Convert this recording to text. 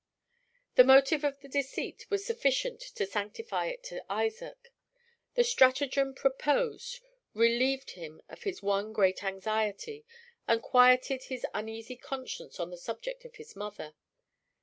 The motive of the deceit was sufficient to sanctify it to Isaac. The stratagem proposed relieved him of his one great anxiety, and quieted his uneasy conscience on the subject of his mother.